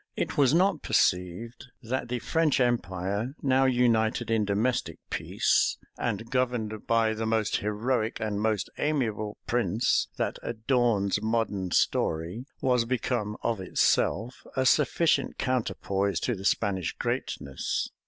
It was not perceived, that the French empire, now united in domestic peace, and governed by the most heroic and most amiable prince that adorns modern story, was become, of itself, a sufficient counterpoise to the Spanish greatness.